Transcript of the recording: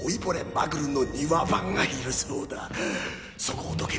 マグルの庭番がいるそうだそこをどけ